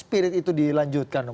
spirit itu dilanjutkan dong